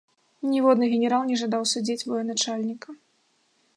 Ніводны генерал не жадаў судзіць военачальніка.